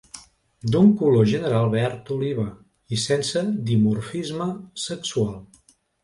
D'un color general verd oliva i sense dimorfisme sexual.